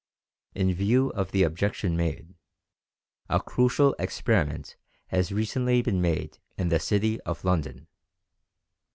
In view of the objection made, a crucial experiment has recently been made in the city of London.